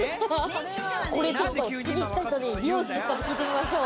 これちょっと次来た人に美容師さんですか？って聞いてみましょう。